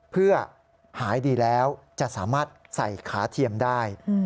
เพื่อหายดีแล้วจะสามารถใส่ขาเทียมได้